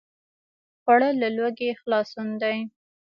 خوړل له لوږې خلاصون دی